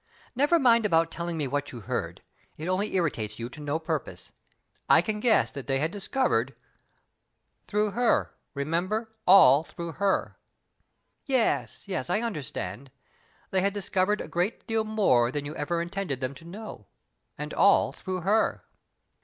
Never mind about telling me what you heard; it only irritates you to no purpose. I can guess that they had discovered " "Through her remember, all through her!" "Yes, yes, I understand. They had discovered a great deal more than you ever intended them to know, and all through her."